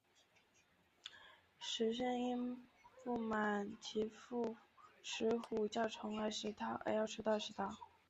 石宣因不满其父石虎较宠爱石韬而要除掉石韬。